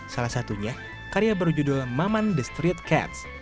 salah satunya karya berjudul mammon the street cat